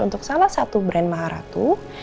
untuk salah satu brand maharatu